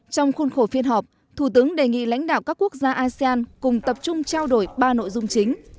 trong khuôn khổ phiên họp thủ tướng đề nghị lãnh đạo các quốc gia asean cùng tập trung trao đổi ba nội dung chính